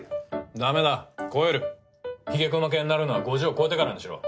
ダメだ肥えるヒゲクマ系になるのは５０を超えてからにしろ。